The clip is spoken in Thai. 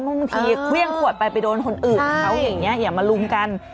บางทีเครื่องขวดไปไปโดนคนอื่นเขาอย่างนี้อย่ามาลุมกัน